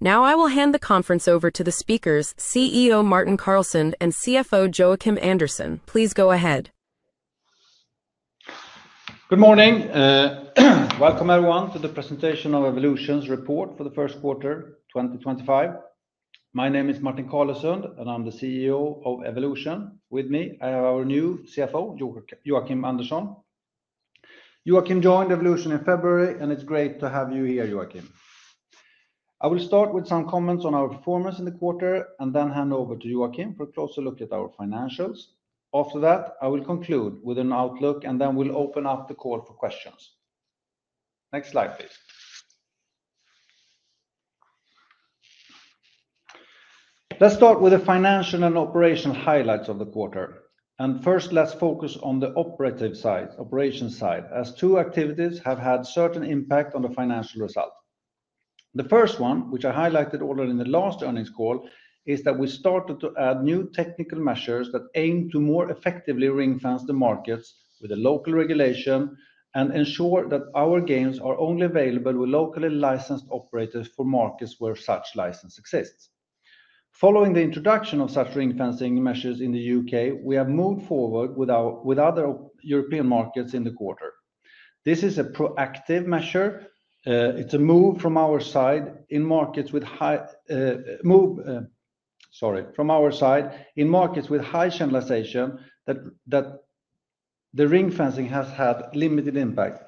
Now I will hand the conference over to the speakers, CEO Martin Carlesund and CFO Joakim Andersson. Please go ahead. Good morning. Welcome, everyone, to the presentation of Evolution's Report for the Q1 2025. My name is Martin Carlesund, and I'm the CEO of Evolution. With me, I have our new CFO, Joakim Andersson. Joakim joined Evolution in February, and it's great to have you here, Joakim. I will start with some comments on our performance in the quarter and then hand over to Joakim for a closer look at our financials. After that, I will conclude with an outlook, and then we'll open up the call for questions. Next slide, please. Let's start with the Financial and Operational Highlights of the Quarter. First, let's focus on the operative side, operations side, as two activities have had a certain impact on the financial result. The first one, which I highlighted already in the last earnings call, is that we started to add new technical measures that aim to more effectively ring-fence the markets with a local regulation and ensure that our games are only available with locally licensed operators for markets where such license exists. Following the introduction of such ring-fencing measures in the U.K., we have moved forward with other European markets in the quarter. This is a proactive measure. It's a move from our side in markets with high channelization that the ring-fencing has had limited impact.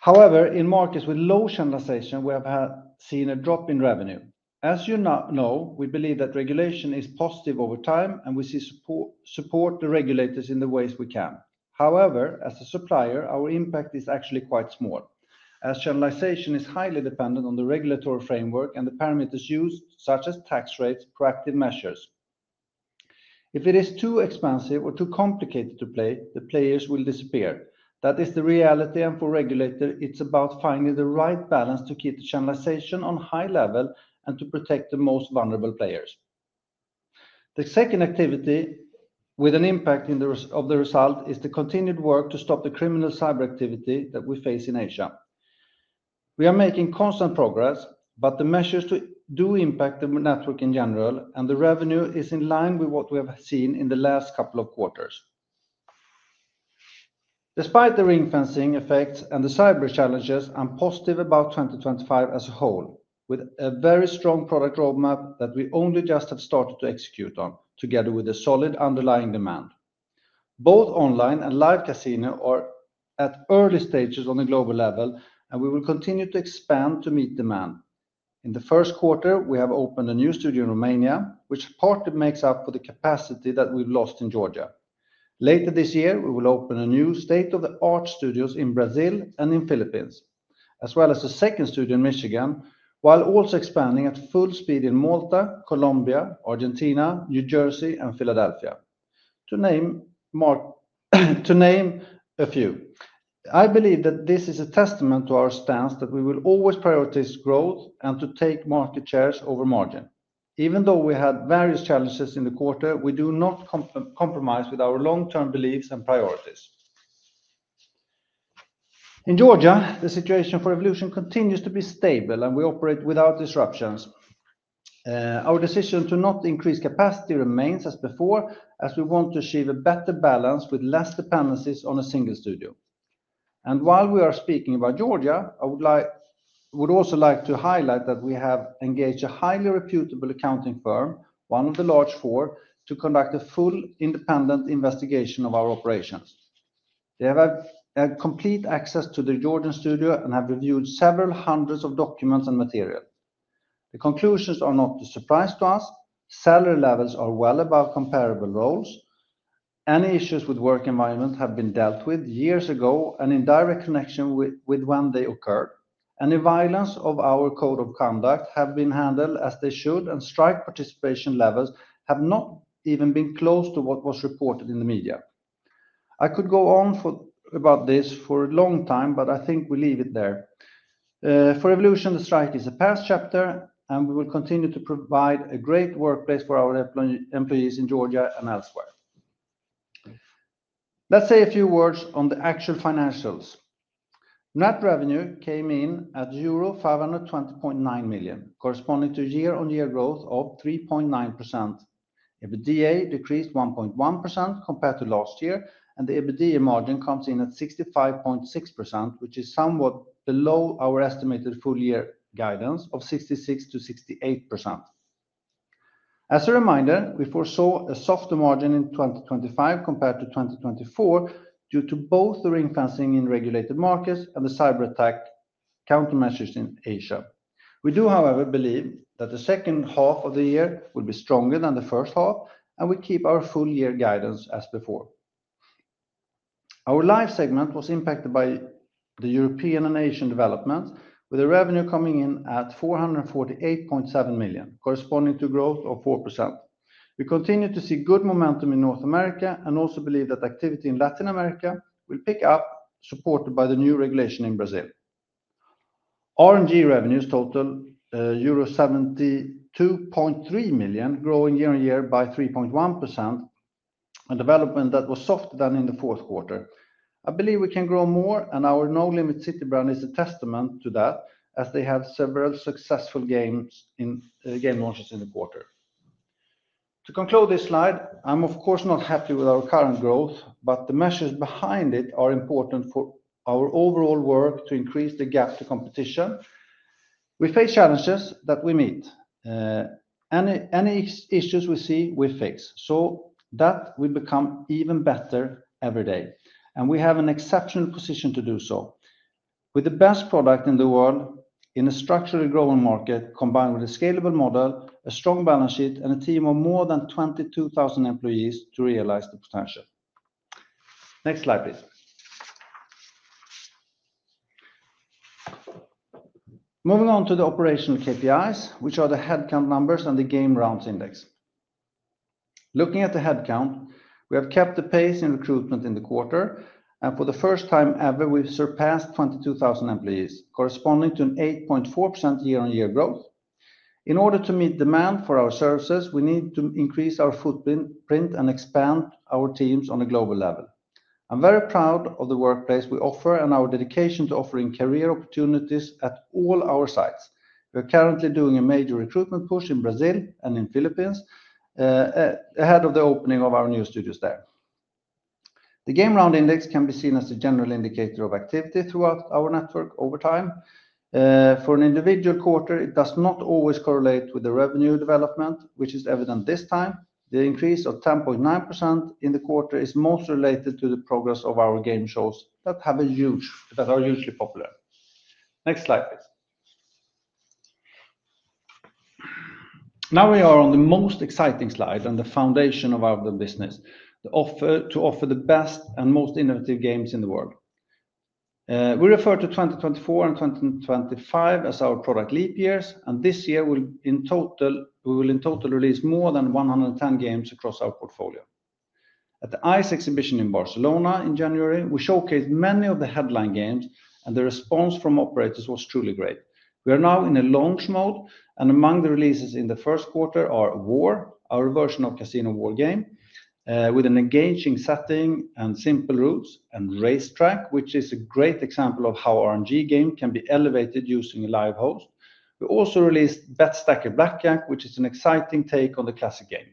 However, in markets with low channelization, we have seen a drop in revenue. As you know, we believe that regulation is positive over time, and we support the regulators in the ways we can. However, as a supplier, our impact is actually quite small, as channelization is highly dependent on the regulatory framework and the parameters used, such as tax rates, proactive measures. If it is too expansive or too complicated to play, the players will disappear. That is the reality, and for regulators, it's about finding the right balance to keep the channelization on a high level and to protect the most vulnerable players. The second activity with an impact of the result is the continued work to stop the criminal cyber activity that we face in Asia. We are making constant progress, but the measures do impact the network in general, and the revenue is in line with what we have seen in the last couple of quarters. Despite the ring-fencing effects and the cyber challenges, I'm positive about 2025 as a whole, with a very strong product roadmap that we only just have started to execute on, together with a solid underlying demand. Both online and live casinos are at early stages on the global level, and we will continue to expand to meet demand. In the Q1, we have opened a new studio in Romania, which partly makes up for the capacity that we've lost in Georgia. Later this year, we will open a new state-of-the-art studio in Brazil and in the Philippines, as well as a second studio in Michigan, while also expanding at full speed in Malta, Colombia, Argentina, New Jersey, and Philadelphia, to name a few. I believe that this is a testament to our stance that we will always prioritize growth and to take market shares over margin. Even though we had various challenges in the quarter, we do not compromise with our long-term beliefs and priorities. In Georgia, the situation for Evolution continues to be stable, and we operate without disruptions. Our decision to not increase capacity remains as before, as we want to achieve a better balance with less dependencies on a single studio. While we are speaking about Georgia, I would also like to highlight that we have engaged a highly reputable accounting firm, one of the large four, to conduct a full independent investigation of our operations. They have had complete access to the Georgian studio and have reviewed several hundreds of documents and material. The conclusions are not a surprise to us. Salary levels are well above comparable roles. Any issues with the work environment have been dealt with years ago and in direct connection with when they occurred. Any violations of our Code of Conduct has been handled as they should, and strike participation levels have not even been close to what was reported in the media. I could go on about this for a long time, but we'll leave it there. For Evolution, the strike is a past chapter, and we will continue to provide a great workplace for our employees in Georgia and elsewhere. Let's say a few words on the actual financials. Net revenue came in at euro 520.9 million, corresponding to year-on-year growth of 3.9%. EBITDA decreased 1.1% compared to last year, and the EBITDA margin comes in at 65.6%, which is somewhat below our estimated full-year guidance of 66%-68%. As a reminder, we foresaw a softer margin in 2025 compared to 2024 due to both the ring-fencing in regulated markets and the cyber attack countermeasures in Asia. We do, however, believe that the second half of the year will be stronger than the first half, and we keep our full-year guidance as before. Our Live segment was impacted by the European and Asian developments, with the revenue coming in at 448.7 million, corresponding to a growth of 4%. We continue to see good momentum in North America and also believe that activity in LATAM will pick up, supported by the new regulation in Brazil. RNG revenues totaled euro 72.3 million, growing year-on-year by 3.1%, a development that was softer than in the Q4. I believe we can grow more, and our Nolimit City brand is a testament to that, as they have several successful game launches in the quarter. To conclude this slide, I'm, of course, not happy with our current growth, but the measures behind it are important for our overall work to increase the gap to competition. We face challenges that we meet. Any issues we see, we fix so that we become even better every day. We have an exceptional position to do so, with the best product in the world in a structurally growing market, combined with a scalable model, a strong balance sheet, and a team of more than 22,000 employees to realize the potential. Next slide, please. Moving on to the operational KPIs, which are the headcount numbers and the Game Rounds Index. Looking at the headcount, we have kept the pace in recruitment in the quarter, and for the first time ever, we've surpassed 22,000 employees, corresponding to an 8.4% year-on-year growth. In order to meet demand for our services, we need to increase our footprint and expand our teams on a global level. I'm very proud of the workplace we offer and our dedication to offering career opportunities at all our sites. We're currently doing a major recruitment push in Brazil and in the Philippines ahead of the opening of our new studios there. The Game Round Index can be seen as a general indicator of activity throughout our network over time. For an individual quarter, it does not always correlate with the revenue development, which is evident this time. The increase of 10.9% in the quarter is most related to the progress of our game shows that are huge, that are hugely popular. Next slide, please. Now we are on the most exciting slide and the foundation of our business, the offer to offer the best and most innovative games in the world. We refer to 2024 and 2025 as our product leap years, and this year, we will in total release more than 110 games across our portfolio. At the ICE exhibition in Barcelona in January, we showcased many of the headline games, and the response from operators was truly great. We are now in a launch mode, and among the releases in the Q1 are War, our version of Casino War game, with an engaging setting and simple rules, and Race Track, which is a great example of how RNG games can be elevated using a live host. We also released Bet Stacker Blackjack, which is an exciting take on the classic game.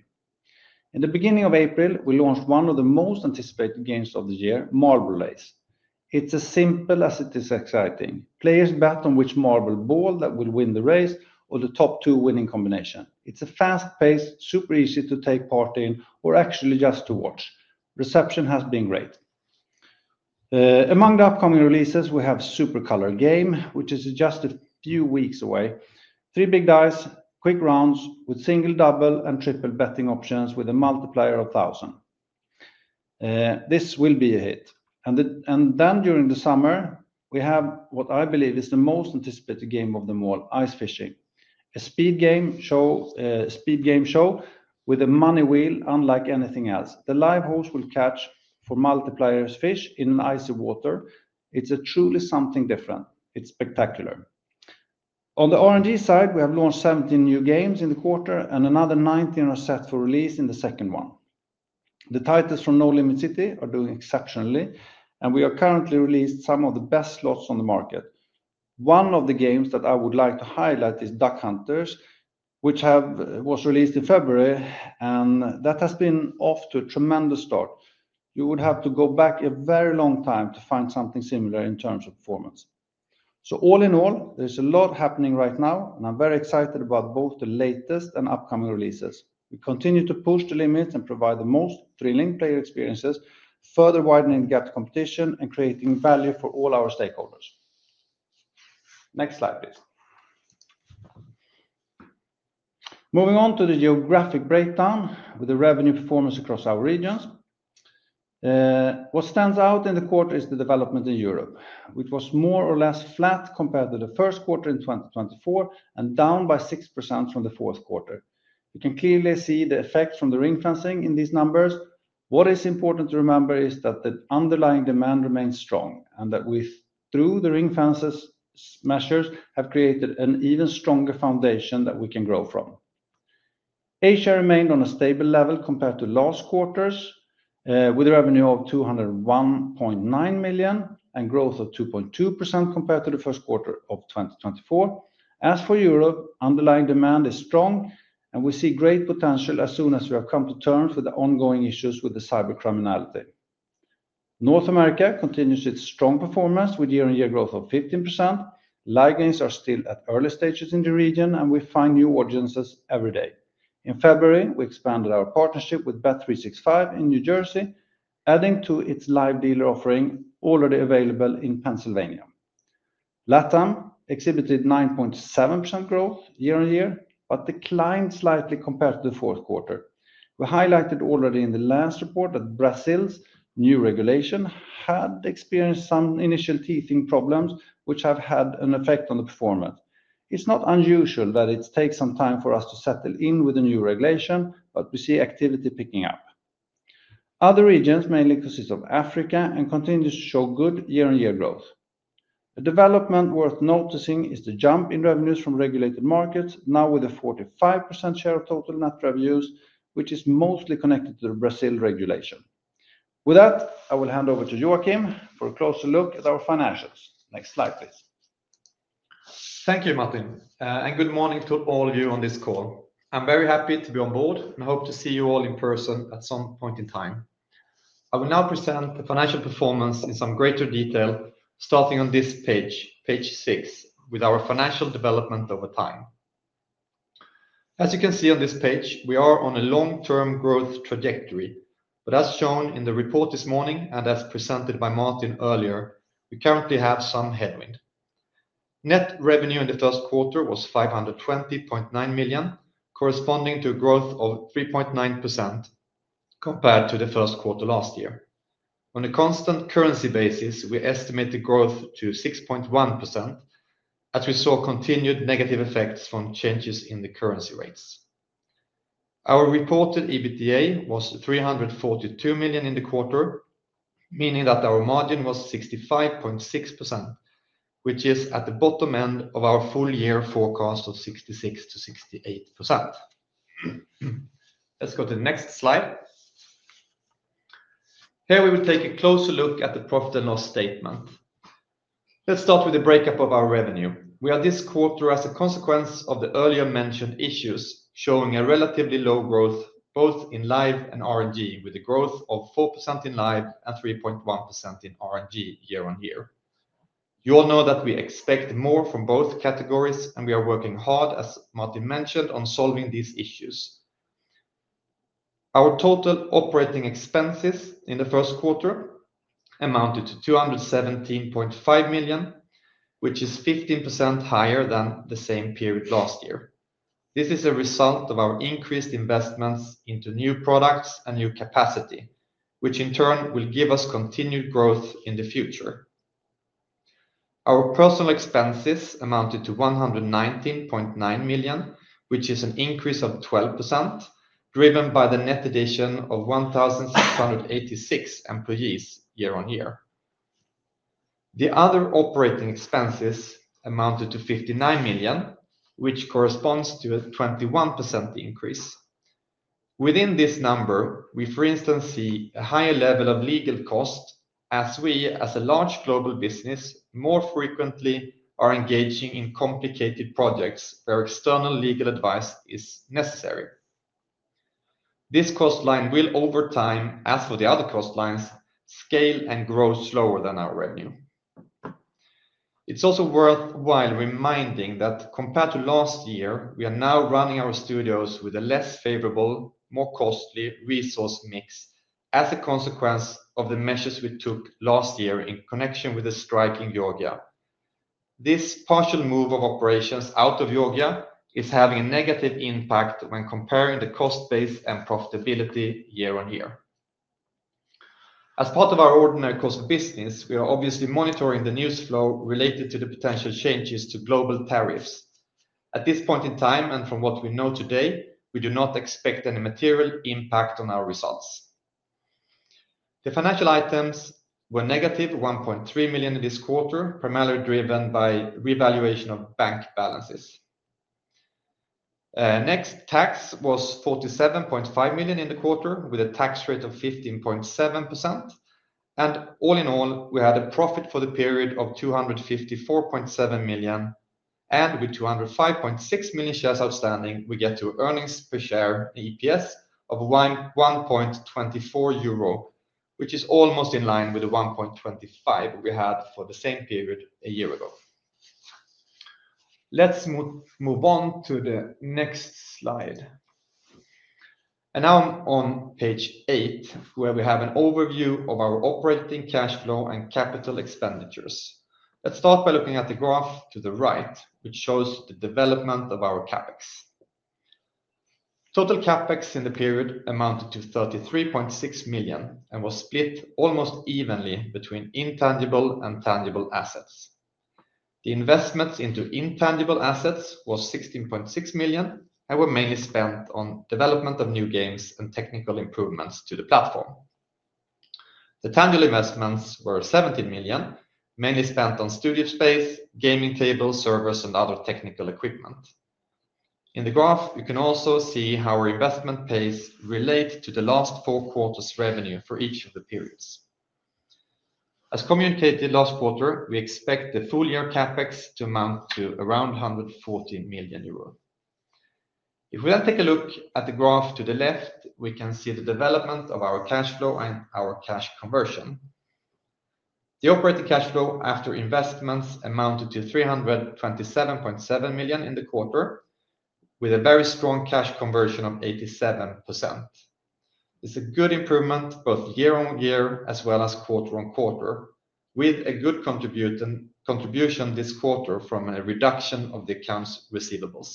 In the beginning of April, we launched one of the most anticipated games of the year, Marble Race. It's as simple as it is exciting. Players bet on which marble ball will win the race or the top two winning combination. It's a fast-paced, super easy-to-take part in, or actually just to watch. Reception has been great. Among the upcoming releases, we have Super Color Game, which is just a few weeks away. Three big dice, quick rounds with single, double, and triple betting options with a multiplier of 1,000. This will be a hit. During the summer, we have what I believe is the most anticipated game of them all, Ice Fishing, a speed game show with a money wheel unlike anything else. The live host will catch for multipliers fish in icy water. It's truly something different. It's spectacular. On the RNG side, we have launched 17 new games in the quarter, and another 19 are set for release in the second one. The titles from No Limit City are doing exceptionally, and we have currently released some of the best slots on the market. One of the games that I would like to highlight is Duck Hunters, which was released in February, and that has been off to a tremendous start. You would have to go back a very long time to find something similar in terms of performance. All in all, there is a lot happening right now, and I am very excited about both the latest and upcoming releases. We continue to push the limits and provide the most thrilling player experiences, further widening the gap to competition and creating value for all our stakeholders. Next slide, please. Moving on to the geographic breakdown with the revenue performance across our regions. What stands out in the quarter is the development in Europe, which was more or less flat compared to the Q1 in 2024 and down by 6% from the Q4. We can clearly see the effect from the ring-fencing in these numbers. What is important to remember is that the underlying demand remains strong and that we through the ring-fencing measures have created an even stronger foundation that we can grow from. Asia remained on a stable level compared to last quarters, with a revenue of 201.9 million and growth of 2.2% compared to the Q1 of 2024. As for Europe, underlying demand is strong, and we see great potential as soon as we have come to terms with the ongoing issues with the cybercriminality. North America continues its strong performance with year-on-year growth of 15%. Live games are still at early stages in the region, and we find new audiences every day. In February, we expanded our partnership with bet365 in New Jersey, adding to its live dealer offering already available in Pennsylvania. LATAM exhibited 9.7% growth year-on-year, but declined slightly compared to the Q4. We highlighted already in the last report that Brazil's new regulation had experienced some initial teething problems, which have had an effect on the performance. It is not unusual that it takes some time for us to settle in with the new regulation, but we see activity picking up. Other regions mainly consist of Africa and continue to show good year-on-year growth. A development worth noticing is the jump in revenues from regulated markets, now with a 45% share of total net revenues, which is mostly connected to the Brazil regulation. With that, I will hand over to Joakim for a closer look at our financials. Next slide, please. Thank you, Martin, and good morning to all of you on this call. I'm very happy to be on board and hope to see you all in person at some point in time. I will now present the financial performance in some greater detail, starting on this page, page six, with our financial development over time. As you can see on this page, we are on a long-term growth trajectory, but as shown in the report this morning and as presented by Martin earlier, we currently have some headwind. Net revenue in the Q1 was 520.9 million, corresponding to a growth of 3.9% compared to the Q1 last year. On a constant currency basis, we estimate the growth to 6.1%, as we saw continued negative effects from changes in the currency rates. Our reported EBITDA was 342 million in the quarter, meaning that our margin was 65.6%, which is at the bottom end of our full-year forecast of 66%-68%. Let's go to the next slide. Here we will take a closer look at the profit and loss statement. Let's start with the breakup of our revenue. We are this quarter as a consequence of the earlier mentioned issues showing a relatively low growth both in live and RNG, with a growth of 4% in live and 3.1% in RNG year-on-year. You all know that we expect more from both categories, and we are working hard, as Martin mentioned, on solving these issues. Our total operating expenses in the Q1 amounted to 217.5 million, which is 15% higher than the same period last year. This is a result of our increased investments into new products and new capacity, which in turn will give us continued growth in the future. Our personnel expenses amounted to 119.9 million, which is an increase of 12%, driven by the net addition of 1,686 employees year-on-year. The other operating expenses amounted to 59 million, which corresponds to a 21% increase. Within this number, we, for instance, see a higher level of legal cost, as we, as a large global business, more frequently are engaging in complicated projects where external legal advice is necessary. This cost line will, over time, as for the other cost lines, scale and grow slower than our revenue. It's also worthwhile reminding that compared to last year, we are now running our studios with a less favorable, more costly resource mix as a consequence of the measures we took last year in connection with the striking Yogya. This partial move of operations out of Georgia is having a negative impact when comparing the cost base and profitability year-on-year. As part of our ordinary course of business, we are obviously monitoring the news flow related to the potential changes to global tariffs. At this point in time and from what we know today, we do not expect any material impact on our results. The financial items were negative 1.3 million this quarter, primarily driven by revaluation of bank balances. Next, tax was 47.5 million in the quarter, with a tax rate of 15.7%. All in all, we had a profit for the period of 254.7 million. With 205.6 million shares outstanding, we get to earnings per share EPS of 1.24 euro, which is almost in line with the 1.25 we had for the same period a year ago. Let's move on to the next slide. Now on page eight, where we have an overview of our operating cash flow and capital expenditures. Let's start by looking at the graph to the right, which shows the development of our CapEx. Total CapEx in the period amounted to 33.6 million and was split almost evenly between intangible and tangible assets. The investments into intangible assets were 16.6 million and were mainly spent on development of new games and technical improvements to the platform. The tangible investments were 17 million, mainly spent on studio space, gaming tables, servers, and other technical equipment. In the graph, you can also see how our investment pace relates to the last four quarters' revenue for each of the periods. As communicated last quarter, we expect the full-year CapEx to amount to around 140 million euros. If we then take a look at the graph to the left, we can see the development of our cash flow and our cash conversion. The operating cash flow after investments amounted to 327.7 million in the quarter, with a very strong cash conversion of 87%. It's a good improvement both year-on-year as well as quarter-on-quarter, with a good contribution this quarter from a reduction of the accounts receivables.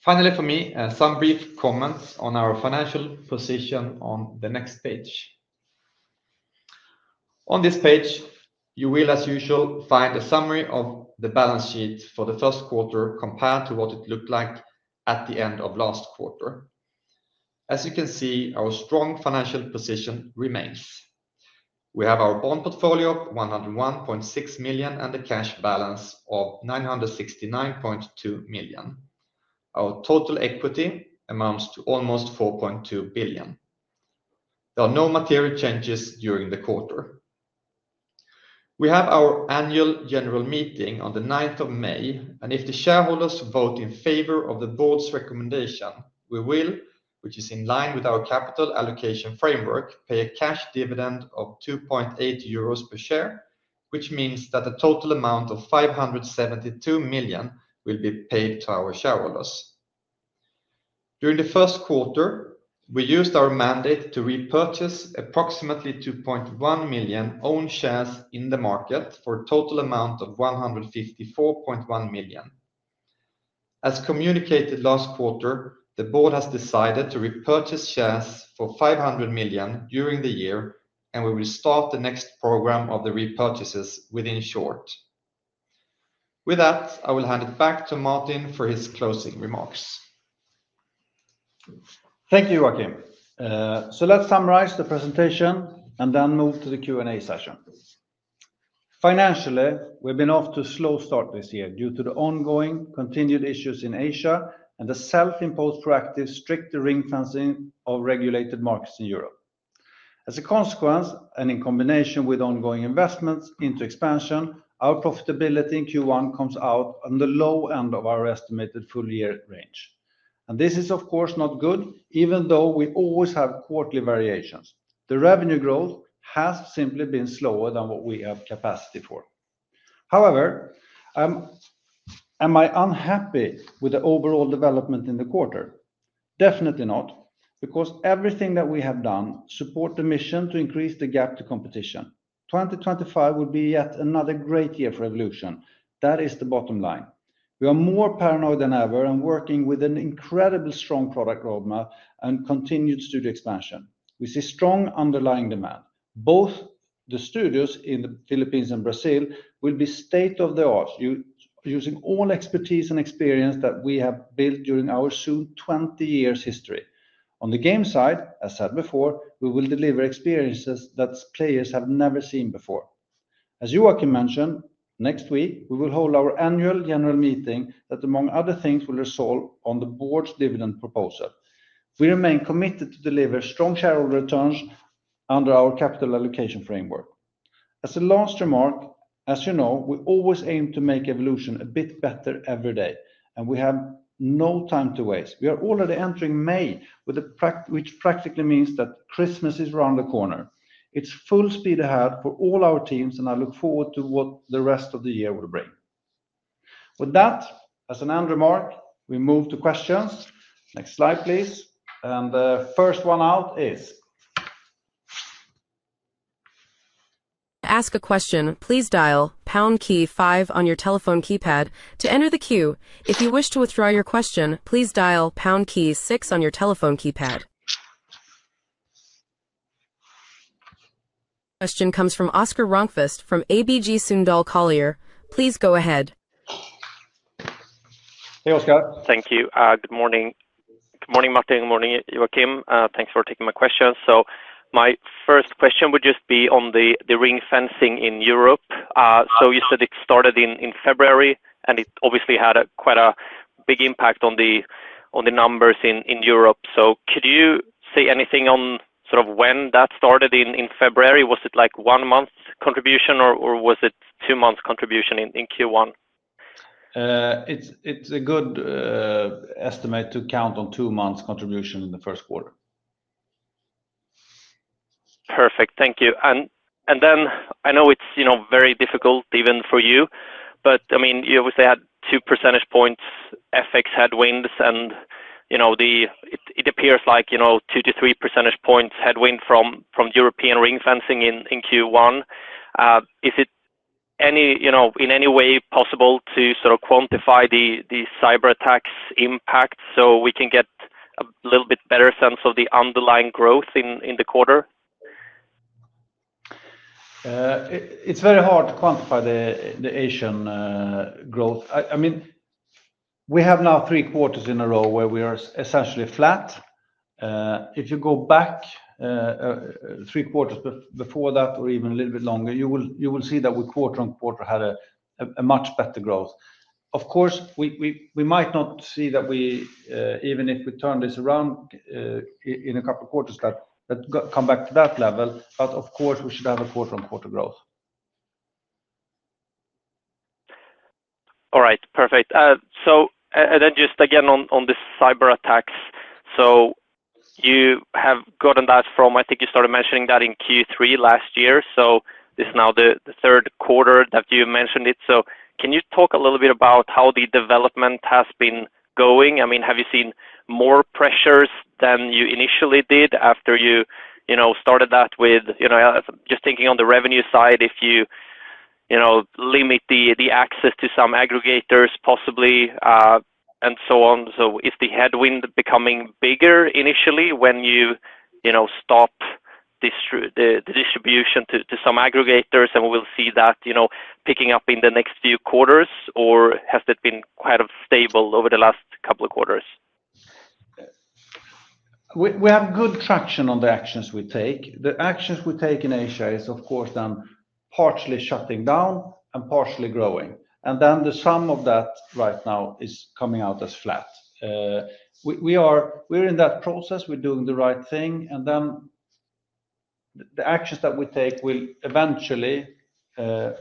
Finally, for me, some brief comments on our financial position on the next page. On this page, you will, as usual, find a summary of the balance sheet for the Q1 compared to what it looked like at the end of last quarter. As you can see, our strong financial position remains. We have our bond portfolio of 101.6 million and a cash balance of 969.2 million. Our total equity amounts to almost 4.2 billion. There are no material changes during the quarter. We have our annual general meeting on the 9th of May, and if the shareholders vote in favor of the Board's recommendation, we will, which is in line with our capital allocation framework, pay a cash dividend of 2.8 euros per share, which means that the total amount of 572 million will be paid to our shareholders. During the Q1, we used our mandate to repurchase approximately 2.1 million owned shares in the market for a total amount of 154.1 million. As communicated last quarter, the board has decided to repurchase shares for 500 million during the year, and we will start the next program of the repurchases within short. With that, I will hand it back to Martin for his closing remarks. Thank you, Joakim. Let's summarize the presentation and then move to the Q&A session. Financially, we've been off to a slow start this year due to the ongoing continued issues in Asia and the self-imposed proactive strict ring-fencing of regulated markets in Europe. As a consequence, and in combination with ongoing investments into expansion, our profitability in Q1 comes out on the low end of our estimated full-year range. This is, of course, not good, even though we always have quarterly variations. The revenue growth has simply been slower than what we have capacity for. However, am I unhappy with the overall development in the quarter? Definitely not, because everything that we have done supports the mission to increase the gap to competition. 2025 will be yet another great year for Evolution. That is the bottom line. We are more paranoid than ever and working with an incredibly strong product roadmap and continued studio expansion. We see strong underlying demand. Both the studios in the Philippines and Brazil will be state-of-the-art, using all expertise and experience that we have built during our soon 20-year history. On the game side, as said before, we will deliver experiences that players have never seen before. As Joakim mentioned, next week, we will hold our annual general meeting that, among other things, will resolve on the board's dividend proposal. We remain committed to deliver strong shareholder returns under our capital allocation framework. As a last remark, as you know, we always aim to make Evolution a bit better every day, and we have no time to waste. We are already entering May, which practically means that Christmas is around the corner. It's full speed ahead for all our teams, and I look forward to what the rest of the year will bring. With that, as an end remark, we move to questions. To ask a question, please dial pound key five on your telephone keypad to enter the queue. If you wish to withdraw your question, please dial pound key six on your telephone keypad. Question comes from Oscar Rönnkvist from ABG Sundal Collier. Please go ahead. Hey, Oscar. Thank you. Good morning. Good morning, Martin. Good morning, Joakim. Thanks for taking my question. My first question would just be on the ring-fencing in Europe. You said it started in February, and it obviously had quite a big impact on the numbers in Europe. Could you say anything on sort of when that started in February? Was it like one-month contribution, or was it two-month contribution in Q1? It's a good estimate to count on two-month contribution in the Q1. Perfect. Thank you. I know it's very difficult even for you, but you obviously had two percentage points FX headwinds, and it appears like two to three percentage points headwind from European ring-fencing in Q1. Is it in any way possible to sort of quantify the cyber attacks impact so we can get a little bit better sense of the underlying growth in the quarter? It's very hard to quantify the Asian growth. We have now three quarters in a row where we are essentially flat. If you go back three quarters before that or even a little bit longer, you will see that we quarter on quarter had a much better growth. Of course, we might not see that we, even if we turn this around in a couple of quarters, come back to that level, but of course, we should have a quarter on quarter growth. All right. Perfect. Just again on the cyber attacks. You have gotten that from, I thin you started mentioning that in Q3 last year. This is now the third quarter that you mentioned it. Can you talk a little bit about how the development has been going? Have you seen more pressures than you initially did after you started that with just thinking on the revenue side, if you limit the access to some aggregators possibly and so on? Is the headwind becoming bigger initially when you stop the distribution to some aggregators and we'll see that picking up in the next few quarters, or has it been quite stable over the last couple of quarters? We have good traction on the actions we take. The actions we take in Asia is, of course, then partially shutting down and partially growing. The sum of that right now is coming out as flat. We're in that process. We're doing the right thing. The actions that we take will eventually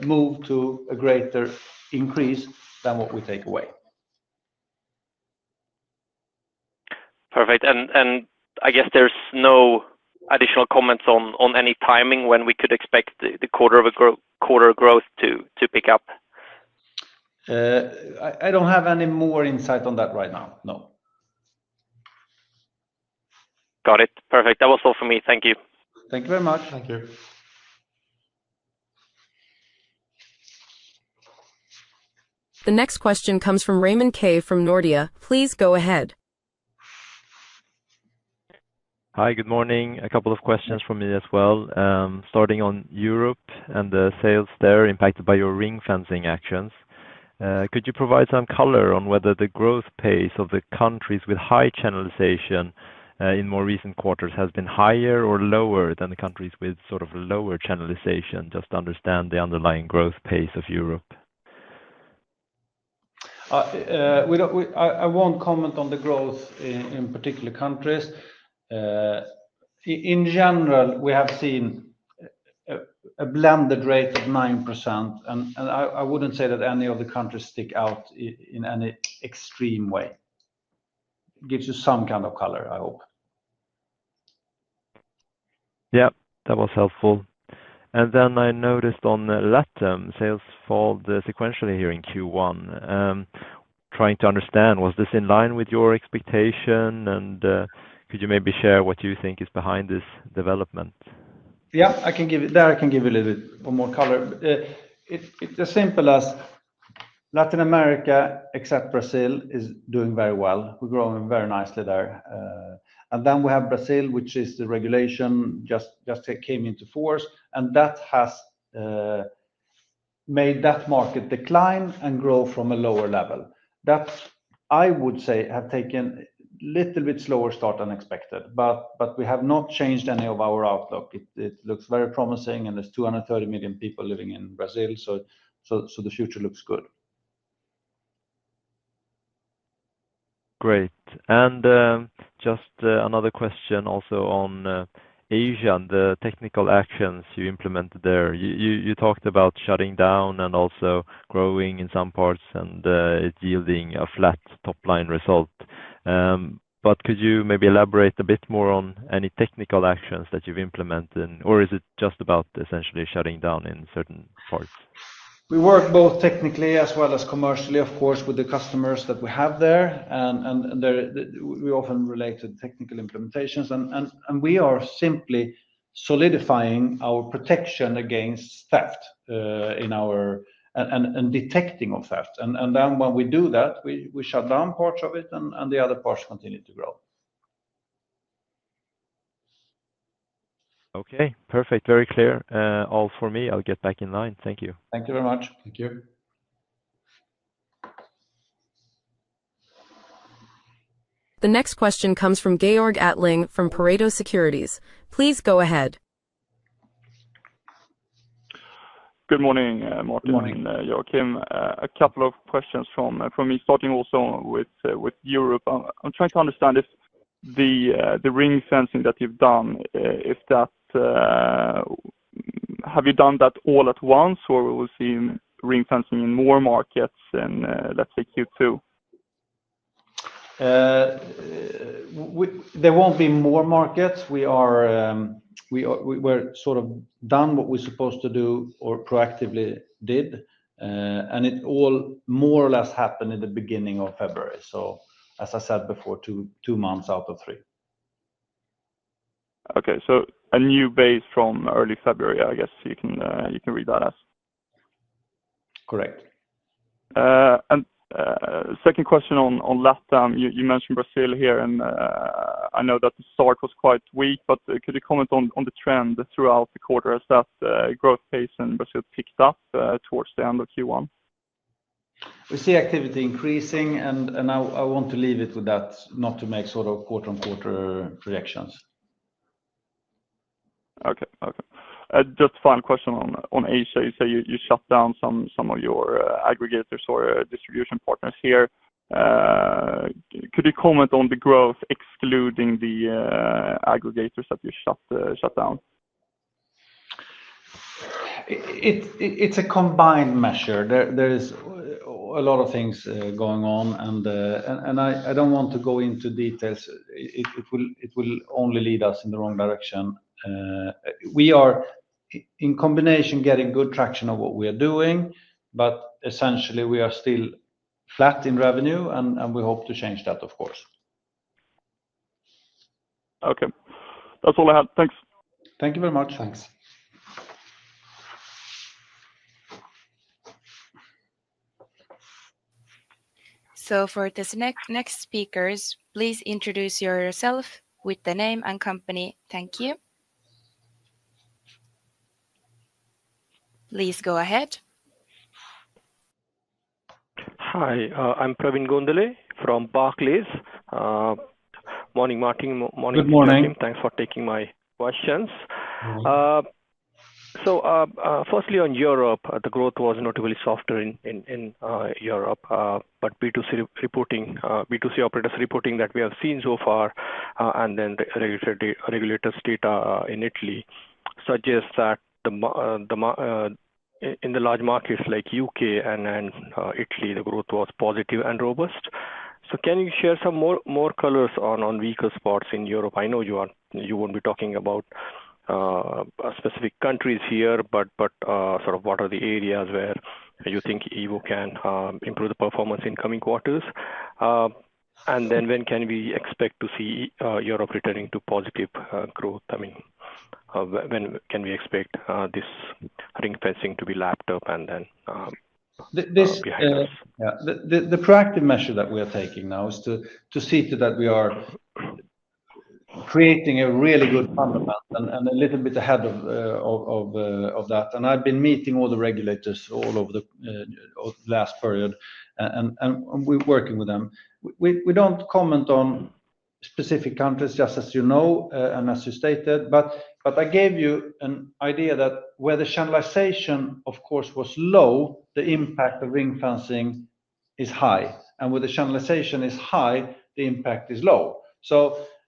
move to a greater increase than what we take away. Perfect. I guess there's no additional comments on any timing when we could expect the quarter-over-quarter growth to pick up? I don't have any more insight on that right now. No. Got it. Perfect. That was all for me. Thank you. Thank you very much. The next question comes from Raymond Ke from Nordea. Please go ahead. Hi, good morning. A couple of questions for me as well. Starting on Europe and the sales there impacted by your ring-fencing actions. Could you provide some color on whether the growth pace of the countries with high channelization in more recent quarters has been higher or lower than the countries with sort of lower channelization just to understand the underlying growth pace of Europe? I won't comment on the growth in particular countries. In general, we have seen a blended rate of 9%, and I wouldn't say that any of the countries stick out in any extreme way. It gives you some kind of color, I hope. Yep. That was helpful. I noticed on LATAM, sales fell sequentially here in Q1. Trying to understand, was this in line with your expectation, and could you maybe share what you think is behind this development? Yeah, I can give you a little bit more color. It's as simple as Latin America, except Brazil, is doing very well. We're growing very nicely there. We have Brazil, which is the regulation just came into force, and that has made that market decline and grow from a lower level. That's, I would say, have taken a little bit slower start than expected, but we have not changed any of our outlook. It looks very promising, and there's 230 million people living in Brazil, so the future looks good. Great. Just another question also on Asia and the technical actions you implemented there. You talked about shutting down and also growing in some parts and yielding a flat top-line result. Could you maybe elaborate a bit more on any technical actions that you've implemented, or is it just about essentially shutting down in certain parts? We work both technically as well as commercially, of course, with the customers that we have there, and we often relate to the technical implementations. We are simply solidifying our protection against theft in our and detecting of theft. And then when we do that, we shut down parts of it, and the other parts continue to grow. Okay. Perfect. Very clear. All for me. I'll get back in line. Thank you. Thank you very much. Thank you. The next question comes from Georg Attling from Pareto Securities. Please go ahead. Good morning, Martin. Good morning. Joakim. A couple of questions from me starting also with Europe. I'm trying to understand if the ring-fencing that you've done, have you done that all at once, or will we see ring-fencing in more markets in, let's say, Q2? There won't be more markets. We were sort of done what we're supposed to do or proactively did, and it all more or less happened in the beginning of February. As I said before, two months out of three. Okay. A new base from early February, I guess you can read that. Correct. Second question on LATAM, you mentioned Brazil here, and I know that the start was quite weak, but could you comment on the trend throughout the quarter as that growth pace in Brazil picked up towards the end of Q1? We see activity increasing, and I want to leave it with that, not to make sort of quarter-on-quarter projections. Okay. Just final question on Asia. You say you shut down some of your aggregators or distribution partners here. Could you comment on the growth excluding the aggregators that you shut down? It's a combined measure. There is a lot of things going on, and I don't want to go into details. It will only lead us in the wrong direction. We are, in combination, getting good traction on what we are doing, but essentially, we are still flat in revenue, and we hope to change that, of course. Okay. That's all I had. Thanks. Thank you very much. Thanks. For the next speakers, please introduce yourself with the name and company. Thank you. Please go ahead. Hi. I'm Pravin Gondal from Barclays. Morning, Martin. Good morning. Thanks for taking my questions. Firstly, on Europe, the growth was notably softer in Europe, but B2C operators reporting that we have seen so far, and then the regulators' data in Italy suggests that in the large markets like U.K. and Italy, the growth was positive and robust. Can you share some more colors on weaker spots in Europe? I know you won't be talking about specific countries here, but sort of what are the areas where you think you can improve the performance in coming quarters? When can we expect to see Europe returning to positive growth? When can we expect this ring-fencing to be lapped up and then behind us? The proactive measure that we are taking now is to see that we are creating a really good fundamental and a little bit ahead of that. I have been meeting all the regulators all over the last period, and we're working with them. We don't comment on specific countries, just as you stated, but I gave you an idea that where the channelization, of course, was low, the impact of ring-fencing is high. And where the channelization is high, the impact is low.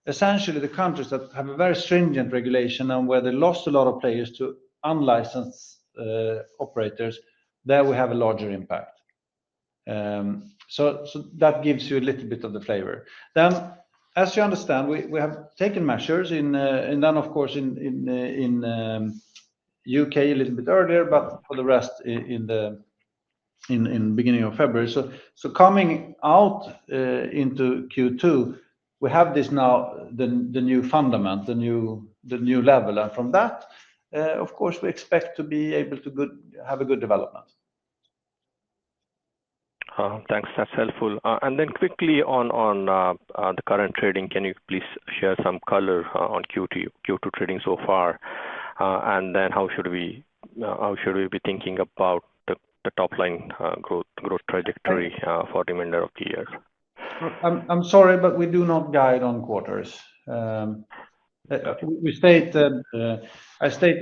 Essentially, the countries that have a very stringent regulation and where they lost a lot of players to unlicensed operators, there we have a larger impact. That gives you a little bit of the flavor. As you understand, we have taken measures in, of course, in the U.K. a little bit earlier, but for the rest in the beginning of February. Coming out into Q2, we have this now, the new fundament, the new level. From that, of course, we expect to be able to have a good development. Thanks. That's helpful. Quickly on the current trading, can you please share some color on Q2 trading so far? How should we be thinking about the top-line growth trajectory for the remainder of the year? I'm sorry, but we do not guide on quarters. I stated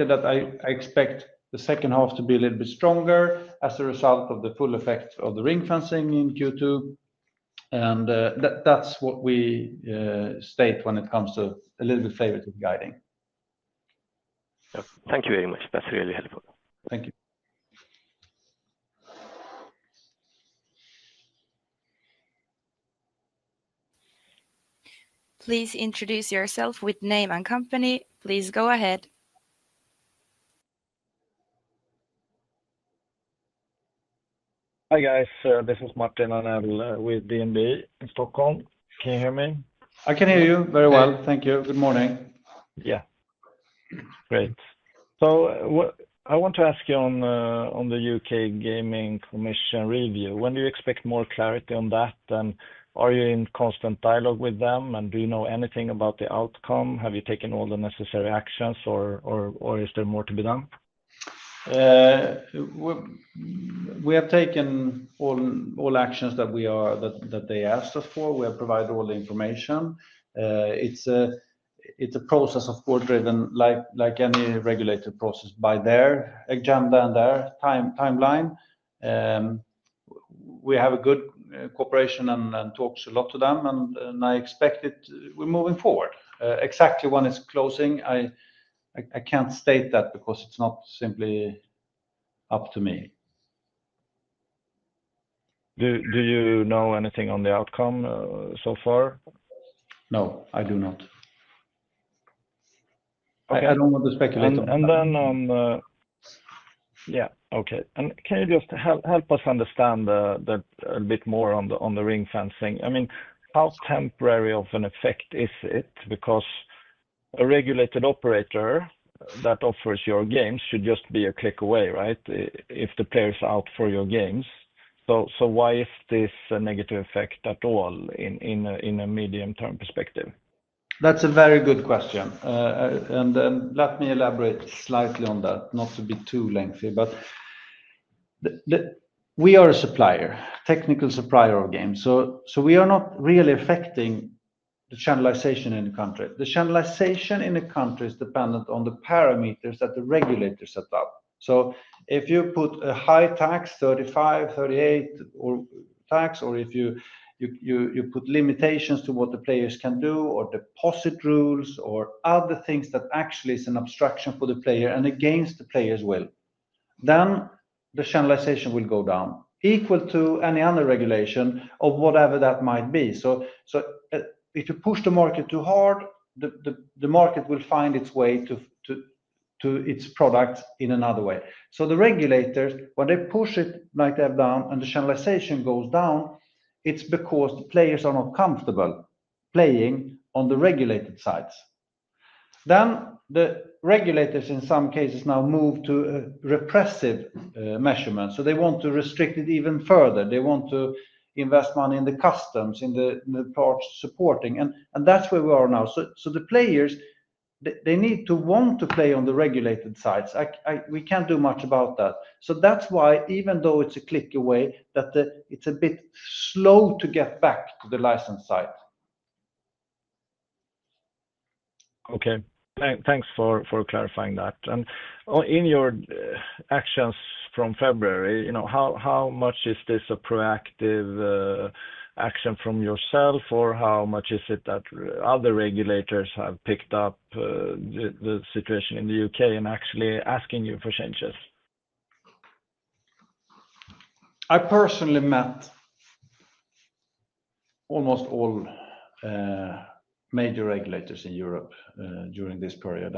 that I expect the second half to be a little bit stronger as a result of the full effect of the ring-fencing in Q2. That is what we state when it comes to a little bit favoriting guiding. Thank you very much. That is really helpful. Thank you. Please introduce yourself with name and company. Please go ahead. Hi guys. This is Martin Arnell with DNB Stockholm. Can you hear me? I can hear you very well. Thank you. Good morning. Yeah. Great. I want to ask you on the U.K. Gaming Commission review. When do you expect more clarity on that? Are you in constant dialogue with them? Do you know anything about the outcome? Have you taken all the necessary actions, or is there more to be done? We have taken all actions that they asked us for. We have provided all the information. It's a process, of course, driven like any regulatory process by their agenda and their timeline. We have a good cooperation and talk a lot to them, and I expect we're moving forward. Exactly when it's closing, I can't state that because it's not simply up to me. Do you know anything on the outcome so far? No, I do not. I don't want to speculate. Okay. Can you just help us understand a bit more on the ring-fencing? How temporary of an effect is it? Because a regulated operator that offers your games should just be a click away, right, if the player's out for your games. Why is this a negative effect at all in a medium-term perspective? That's a very good question. Let me elaborate slightly on that, not to be too lengthy. We are a supplier, technical supplier of games. We are not really affecting the channelization in the country. The channelization in the country is dependent on the parameters that the regulators set up. If you put a high tax, 35%, 38% tax, or if you put limitations to what the players can do or deposit rules or other things that actually is an obstruction for the player and against the player's will, then the channelization will go down equal to any other regulation or whatever that might be. If you push the market too hard, the market will find its way to its products in another way. The regulators, when they push it like they have done, and the channelization goes down, it's because the players are not comfortable playing on the regulated sides. The regulators, in some cases, now move to repressive measurements. They want to restrict it even further. They want to invest money in the customs, in the parts supporting. That's where we are now. The players, they need to want to play on the regulated sides. We can't do much about that. That's why, even though it's a click away, it's a bit slow to get back to the licensed side. Okay. Thanks for clarifying that. In your actions from February, how much is this a proactive action from yourself, or how much is it that other regulators have picked up the situation in the U.K. and actually asking you for changes? I personally met almost all major regulators in Europe during this period,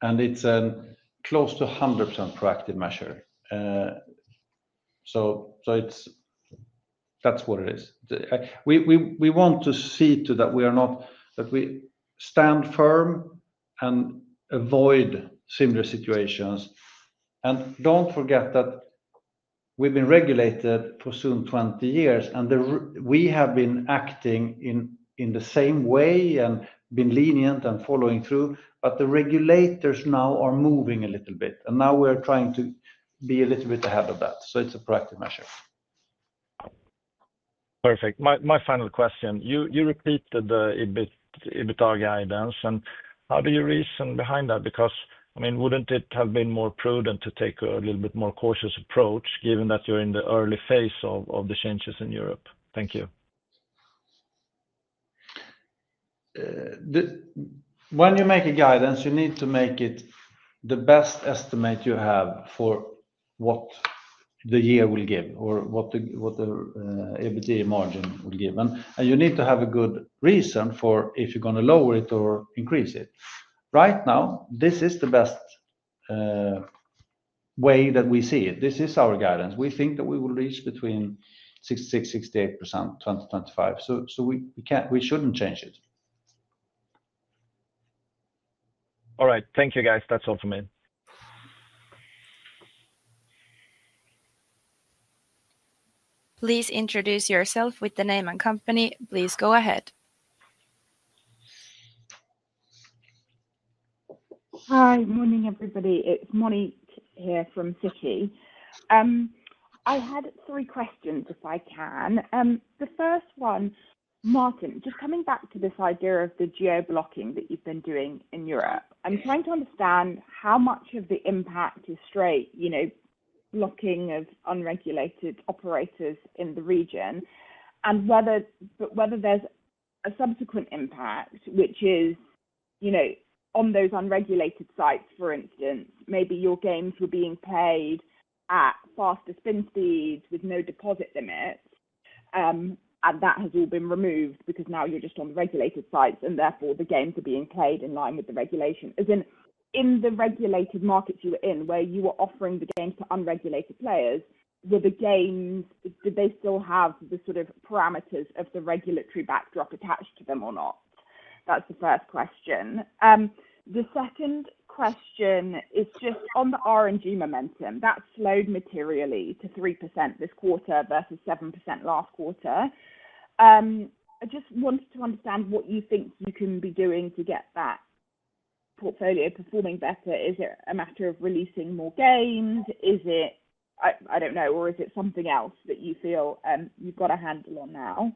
and it's a close to 100% proactive measure. That is what it is. We want to see to that we are not, that we stand firm and avoid similar situations. And don't forget that we've been regulated for soon 20 years, and we have been acting in the same way and been lenient and following through, but the regulators now are moving a little bit. Now we're trying to be a little bit ahead of that. It is a proactive measure. Perfect. My final question. You repeated a bit our guidance, and how do you reason behind that? Because, wouldn't it have been more prudent to take a little bit more cautious approach given that you're in the early phase of the changes in Europe? Thank you. When you make a guidance, you need to make it the best estimate you have for what the year will give or what the EBITDA margin will give. You need to have a good reason for if you're going to lower it or increase it. Right now, this is the best way that we see it. This is our guidance. We think that we will reach between 66-68% 2025. We shouldn't change it. All right. Thank you, guys. That's all for me. Please introduce yourself with the name and company. Please go ahead. Hi. Good morning, everybody. It's Monique Pollard here from Citi. I had three questions, if I can. The first one, Martin, just coming back to this idea of the geo-blocking that you've been doing in Europe, I'm trying to understand how much of the impact is straight blocking of unregulated operators in the region, but whether there's a subsequent impact, which is on those unregulated sites, for instance, maybe your games were being played at faster spin speeds with no deposit limits, and that has all been removed because now you're just on the regulated sites, and therefore, the games are being played in line with the regulation. As in, in the regulated markets you were in, where you were offering the games to unregulated players, did they still have the sort of parameters of the regulatory backdrop attached to them or not? That's the first question. The second question is just on the RNG momentum. That slowed materially to 3% this quarter versus 7% last quarter. I just wanted to understand what you think you can be doing to get that portfolio performing better. Is it a matter of releasing more games? I don't know. Or is it something else that you feel you've got a handle on now?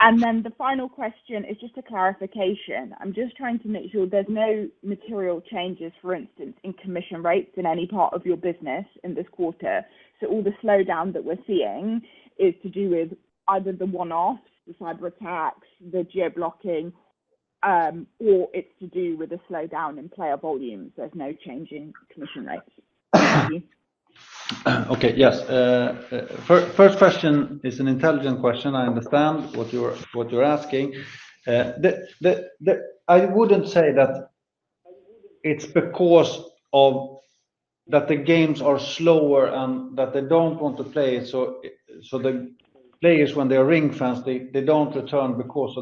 The final question is just a clarification. I'm just trying to make sure there's no material changes, for instance, in commission rates in any part of your business in this quarter. All the slowdown that we're seeing is to do with either the one-offs, the cyber attacks, the geo-blocking, or it's to do with the slowdown in player volumes. There's no change in commission rates. Okay. Yes. First question is an intelligent question. I understand what you're asking. I wouldn't say that it's because that the games are slower and that they don't want to play. The players, when they are ring-fenced, they don't return because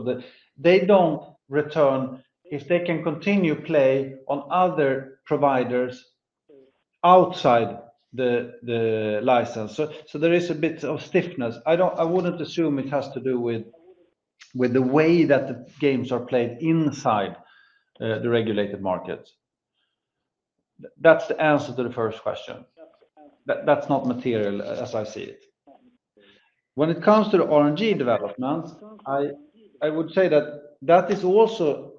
they don't return if they can continue play on other providers outside the license. There is a bit of stiffness. I wouldn't assume it has to do with the way that the games are played inside the regulated markets. That's the answer to the first question. That's not material, as I see it. When it comes to the RNG developments, I would say that that is also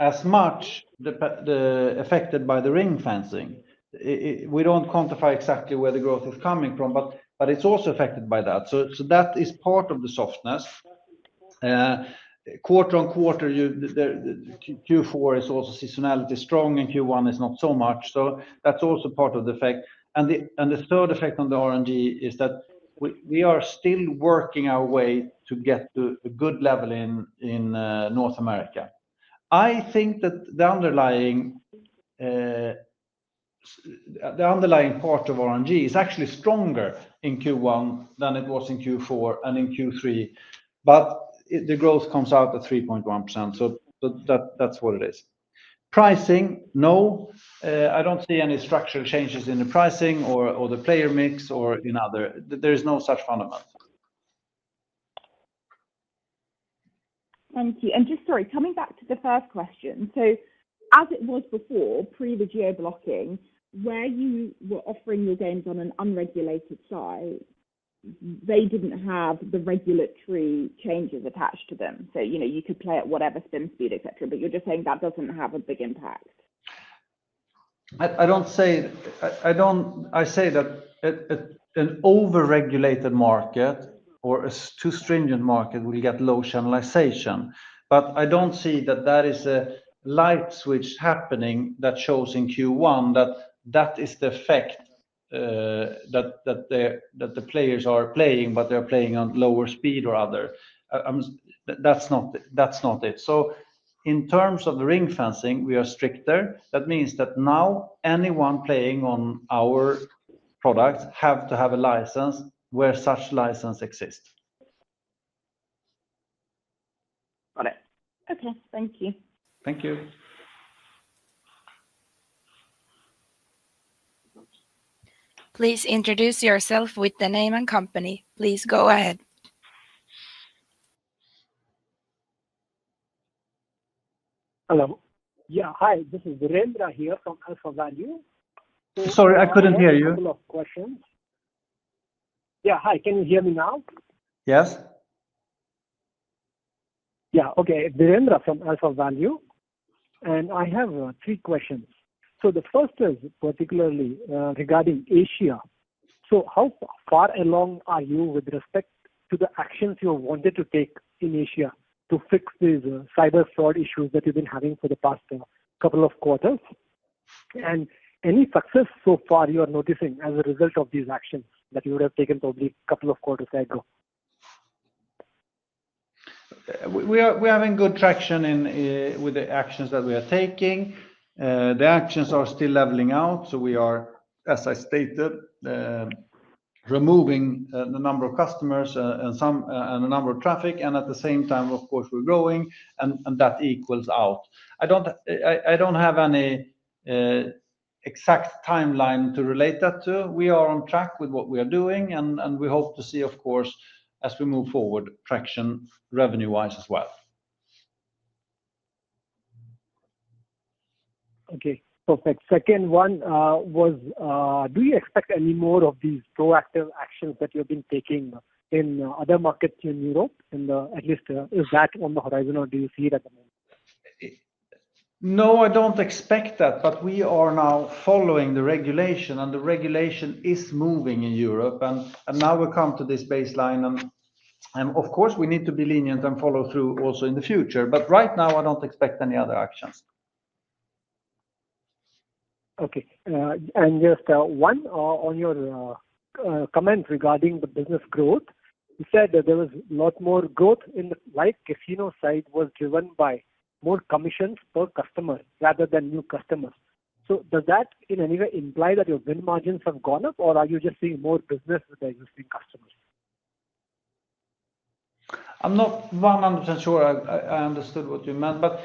as much affected by the ring-fencing. We don't quantify exactly where the growth is coming from, but it's also affected by that. That is part of the softness. Quarter on quarter, Q4 is also seasonality strong, and Q1 is not so much. That's also part of the effect. The third effect on the RNG is that we are still working our way to get to a good level in North America. That the underlying part of RNG is actually stronger in Q1 than it was in Q4 and in Q3, but the growth comes out at 3.1%. That is what it is. Pricing, no. I do not see any structural changes in the pricing or the player mix or in other, there is no such fundament. Thank you. Just sorry, coming back to the first question. As it was before, pre the geo-blocking, where you were offering your games on an unregulated site, they did not have the regulatory changes attached to them. You could play at whatever spin speed, etc., but you are just saying that does not have a big impact. I don't say that an overregulated market or a too stringent market will get low channelization. I don't see that that is a light switch happening that shows in Q1 that that is the effect that the players are playing, but they're playing on lower speed or other. That's not it. In terms of the ring-fencing, we are stricter. That means that now anyone playing on our products have to have a license where such license exists. Got it. Okay. Thank you. Thank you. Please introduce yourself with the name and company. Please go ahead. Hello. Hi. This is Rendra here from AlphaValue. Sorry, I couldn't hear you. Hi. Can you hear me now? Yes. Okay. Rendra from AlphaValue. I have three questions. The first is particularly regarding Asia. How far along are you with respect to the actions you wanted to take in Asia to fix these cyber fraud issues that you've been having for the past couple of quarters? Any success so far you are noticing as a result of these actions that you would have taken probably a couple of quarters ago? We are having good traction with the actions that we are taking. The actions are still leveling out. We are, as I stated, removing the number of customers and the number of traffic. At the same time, of course, we're growing, and that equals out. I don't have any exact timeline to relate that to. We are on track with what we are doing, and we hope to see, of course, as we move forward, traction revenue-wise as well. Okay. Perfect. Second one was, do you expect any more of these proactive actions that you've been taking in other markets in Europe? At least, is that on the horizon, or do you see it at the moment? No, I don't expect that. We are now following the regulation, and the regulation is moving in Europe. Now we come to this baseline. Of course, we need to be lenient and follow through also in the future. Right now, I don't expect any other actions. Okay. Just one on your comment regarding the business growth. You said that there was a lot more growth in the Live Casino side was driven by more commissions per customer rather than new customers. Does that in any way imply that your win margins have gone up, or are you just seeing more business with existing customers? I'm not 100% sure I understood what you meant. But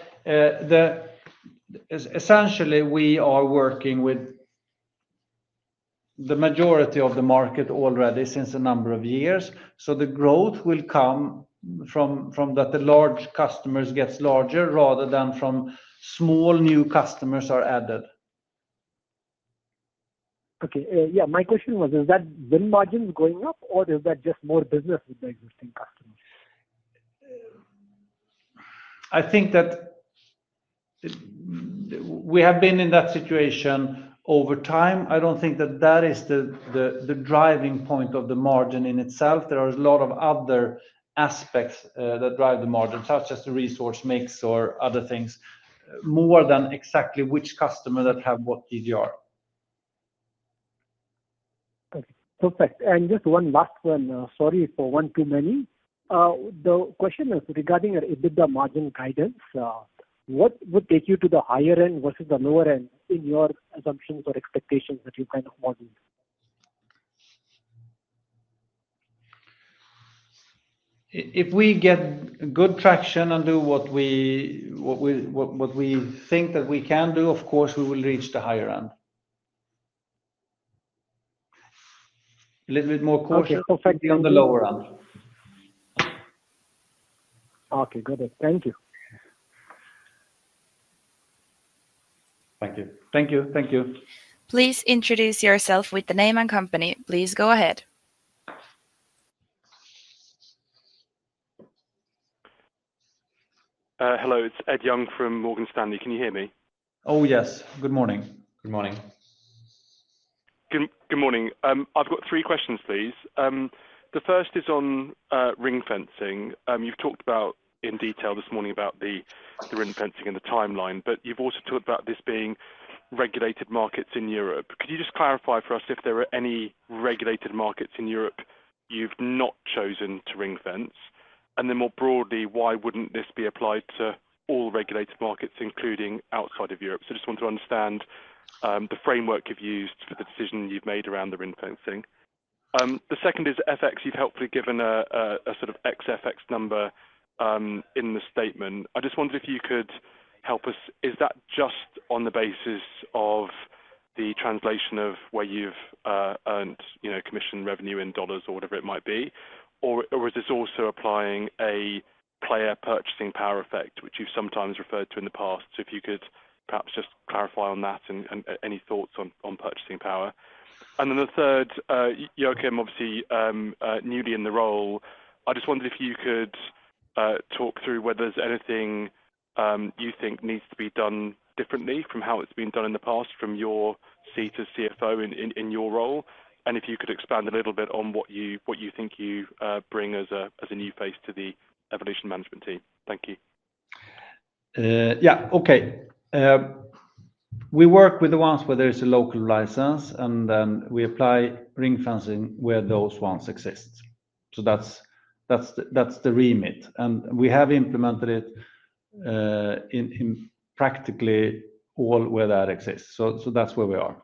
essentially, we are working with the majority of the market already since a number of years. So the growth will come from that the large customers get larger rather than from small new customers are added. Okay. Yeah. My question was, is that win margins going up, or is that just more business with the existing customers? I think that we have been in that situation over time. I don't think that that is the driving point of the margin in itself. There are a lot of other aspects that drive the margin, such as the resource mix or other things, more than exactly which customer that have what GGR. Okay. Perfect. And just one last one. Sorry for one too many. The question is regarding your EBITDA margin guidance. What would take you to the higher end versus the lower end in your assumptions or expectations that you kind of modeled? If we get good traction and do what we think that we can do, of course, we will reach the higher end. A little bit more caution on the lower end. Okay. Got it. Thank you. Thank you. Thank you. Thank you. Please introduce yourself with the name and company. Please go ahead. Hello. It's Ed Young from Morgan Stanley. Can you hear me? Oh, yes. Good morning. Good morning. Good morning. I've got three questions, please. The first is on ring-fencing. You've talked in detail this morning about the ring-fencing and the timeline, but you've also talked about this being regulated markets in Europe. Could you just clarify for us if there are any regulated markets in Europe you've not chosen to ring-fence? More broadly, why would not this be applied to all regulated markets, including outside of Europe? I just want to understand the framework you have used for the decision you have made around the ring-fencing. The second is FX. You have helpfully given a sort of ex-FX number in the statement. I just wondered if you could help us. Is that just on the basis of the translation of where you have earned commission revenue in dollars or whatever it might be? Is this also applying a player purchasing power effect, which you have sometimes referred to in the past? If you could perhaps just clarify on that and any thoughts on purchasing power. Then the third, Joakim, obviously newly in the role, I just wondered if you could talk through whether there's anything you think needs to be done differently from how it's been done in the past from your seat as CFO in your role, and if you could expand a little bit on what you think you bring as a new face to the Evolution management team. Thank you. Yeah. Okay. We work with the ones where there is a local license, and then we apply ring-fencing where those ones exist. That is the remit. We have implemented it in practically all where that exists. That is where we are.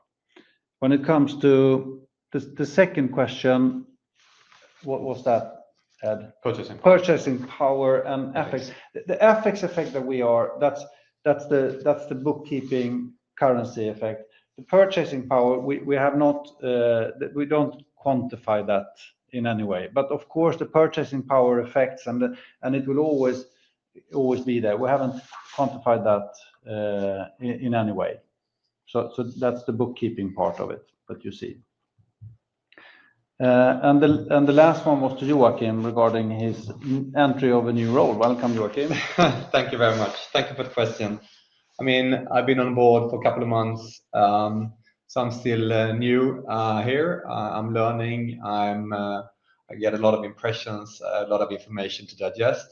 When it comes to the second question, what was that, Ed? Purchasing power. Purchasing power and FX. The FX effect that we are, that is the bookkeeping currency effect. The purchasing power, we do not quantify that in any way. Of course, the purchasing power effects, and it will always be there. We have not quantified that in any way. That is the bookkeeping part of it that you see. The last one was to Joakim regarding his entry of a new role. Welcome, Joakim. Thank you very much. Thank you for the question,=. I have been on board for a couple of months, so I am still new here. I am learning. I get a lot of impressions, a lot of information to digest.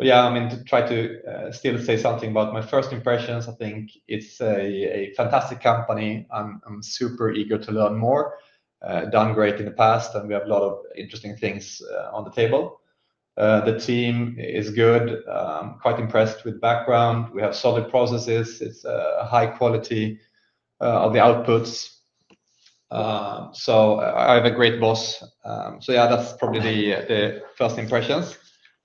To try to still say something about my first impressions, It is a fantastic company. I am super eager to learn more. Done great in the past, and we have a lot of interesting things on the table. The team is good. I am quite impressed with the background. We have solid processes. It is high quality of the outputs. I have a great boss. Yeah, that's probably the first impressions.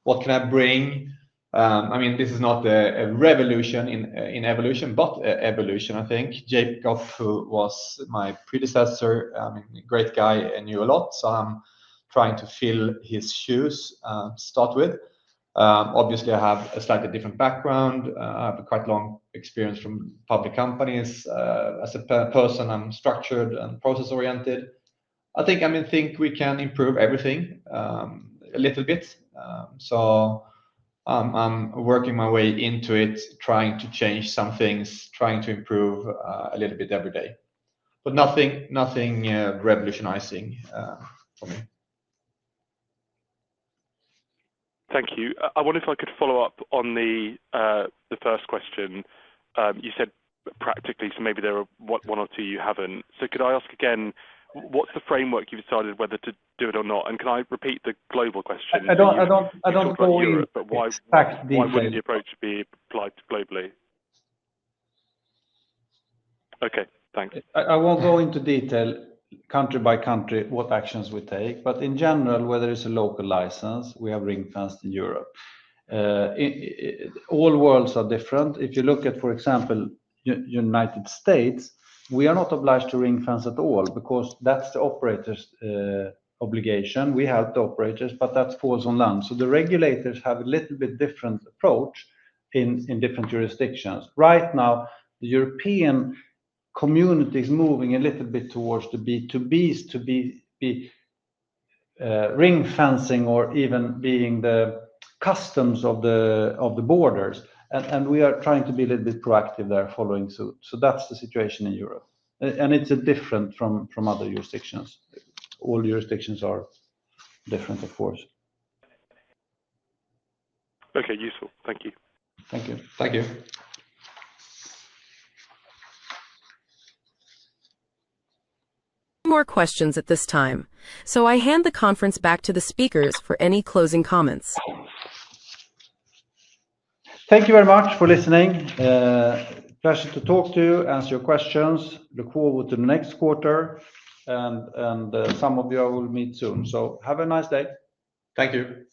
What can I bring? This is not a revolution in Evolution, but Evolution, Jacob, who was my predecessor, great guy and knew a lot. I'm trying to fill his shoes to start with. Obviously, I have a slightly different background. I have quite long experience from public companies. As a person, I'm structured and process-oriented. We can improve everything a little bit. I'm working my way into it, trying to change some things, trying to improve a little bit every day. Nothing revolutionizing for me. Thank you. I wonder if I could follow up on the first question. You said practically, so maybe there are one or two you haven't. Could I ask again, what's the framework you've decided whether to do it or not? Can I repeat the global question? I do not follow you. Why would not the approach be applied globally? Okay. Thanks. I will not go into detail, country by country, what actions we take. In general, whether it is a local license, we have ring-fenced in Europe. All worlds are different. If you look at, for example, the United States, we are not obliged to ring-fence at all because that is the operator's obligation. We help the operators, but that falls on land. The regulators have a little bit different approach in different jurisdictions. Right now, the European community is moving a little bit towards the B2Bs to be ring-fencing or even being the customs of the borders. We are trying to be a little bit proactive there following suit. That is the situation in Europe. It is different from other jurisdictions. All jurisdictions are different, of course. Okay. Useful. Thank you. Thank you. No more questions at this time. I hand the conference back to the speakers for any closing comments. Thank you very much for listening. Pleasure to talk to you, answer your questions. Look forward to the next quarter, and some of you I will meet soon. Have a nice day. Thank you.